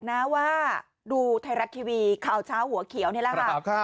นะว่าดูไทยรัฐทีวีข่าวเช้าหัวเขียวนี่แหละค่ะ